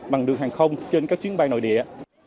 bằng đường hàng không trên các chuyến bay nội địa